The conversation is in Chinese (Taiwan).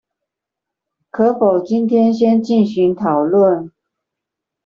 可否今天先進行討論